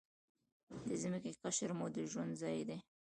د ځمکې قشر مو د ژوند ځای دی.